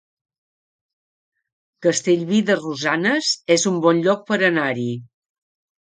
Castellví de Rosanes es un bon lloc per anar-hi